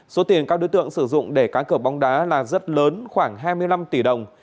số tiền các đối tượng sử dụng để cá cửa bóng đá là rất lớn khoảng hai mươi năm tỷ đồng